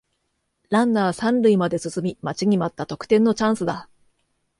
ランナー三塁まで進み待ちに待った得点のチャンスだ